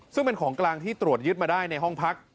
ซึ่งเป็นของกลางที่ตรวจยึดมาได้ในห้องพัก